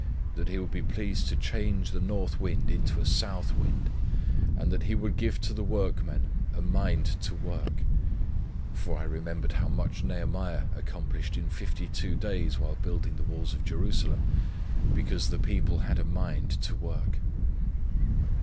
that He would be pleased to change the north wind into a south wind, and that He would give to the workmen 'a mind to work'; for I remembered how much Nehemiah accomplished in 52 days, whilst building the walls of Jerusalem, because 'the people had a mind to work.'